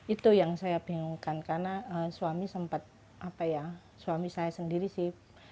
itu yang saya bingungkan karena suami sempat apa ya suami saya sendiri sih